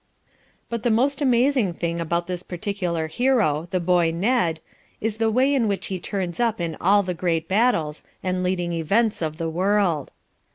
But the most amazing thing about this particular hero, the boy Ned, is the way in which he turns up in all the great battles and leading events of the world.